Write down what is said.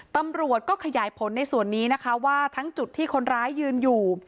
ตำรวจก็ขยายผลในส่วนนี้นะคะว่าทั้งจุดที่คนร้ายยืนอยู่